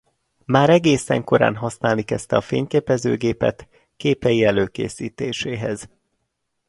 Már egészen korán használni kezdte a fényképezőgépet képei előkészítéséhez.